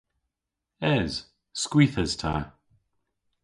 Es. Skwith es ta.